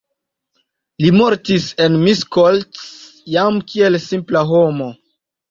Li mortis en Miskolc jam kiel simpla homo.